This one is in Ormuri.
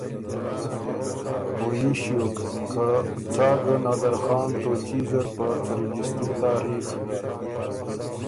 او يي ݭیوک که څا ګۀ نادرخان تُوچي نر په څری جیستُم تاریخ